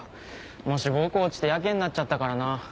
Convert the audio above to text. もう志望校落ちてやけになっちゃったからな。